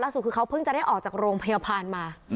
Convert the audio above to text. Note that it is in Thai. ล่าสุดคือเขาเผื่อจะออกจากโรงพยาบาลมา